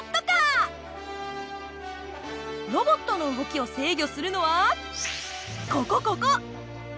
ロボットの動きを制御するのはここここ！